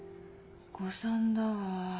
誤算だわ。